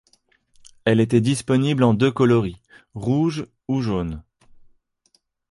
Elle était disponible en deux coloris, rouge ou jaune.